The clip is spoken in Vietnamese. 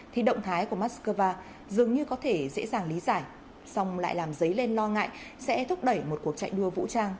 thì động thái của moscow dường như có thể dễ dàng lý giải song lại làm dấy lên lo ngại sẽ thúc đẩy một cuộc chạy đua vũ trang